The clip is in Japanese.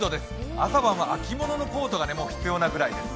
朝晩は秋物のコートが必要なくらいです。